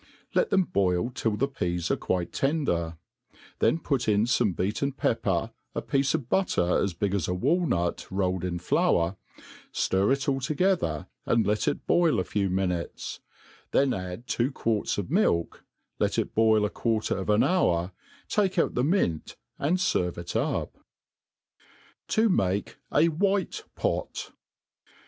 Liet them boil till the peas are quite ten^ ; then put in fome beaten pepper, a piece of butter as big as a walnut, rolled in flour, ftir it all together, and let it boil a few miniiteff ; then add two quarts of milk, iet it boil a quarter of an hour, take out the mint, and fenre it n{^« ta make a fflnU Pot.